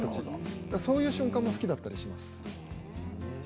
そんな瞬間も好きだったりします。